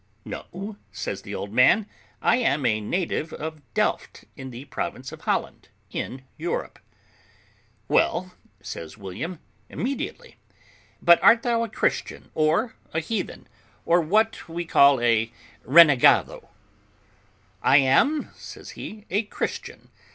"No," says the old man, "I am a native of Delft, in the province of Holland, in Europe." "Well," says William, immediately, "but art thou a Christian or a heathen, or what we call a renegado?" "I am," says he, "a Christian."